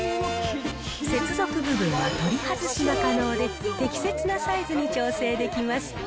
接続部分の取り外しが可能で、適切なサイズに調整できます。